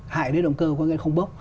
hại đến động cơ qua ngay không bốc